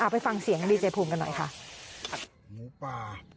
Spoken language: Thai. ไปฟังเสียงดีเจภูมิกันหน่อยค่ะ